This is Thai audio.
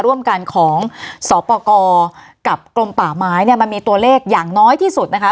ร่วมกันของสปกรกับกรมป่าไม้เนี่ยมันมีตัวเลขอย่างน้อยที่สุดนะคะ